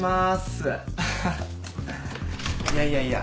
いやいやいや。